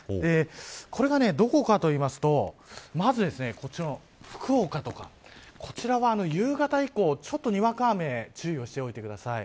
これがどこかというとまず、こちらの福岡とかこちらは夕方以降ちょっとにわか雨に注意しておいてください。